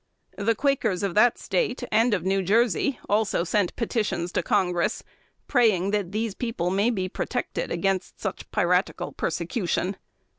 The Quakers of that State, and of New Jersey, also sent petitions to Congress, praying that these people may be protected against such piratical persecution.